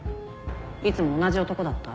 いつも同じ男だった？